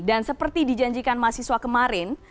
dan seperti dijanjikan mahasiswa kemarin